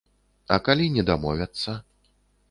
А калі не дамовяцца?